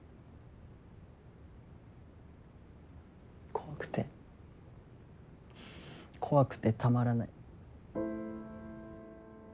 怖くて怖くてたまらない。